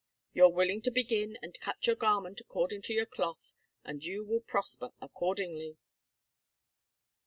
You're willing to begin and cut your garment according to your cloth, and you will prosper accordingly."